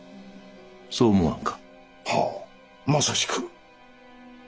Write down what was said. そう思わんか？はあまさしく。